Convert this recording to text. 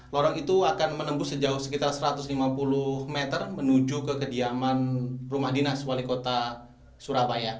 lorong itu akan menembus sejauh sekitar satu ratus lima puluh meter menuju ke kediaman rumah dinas wali kota surabaya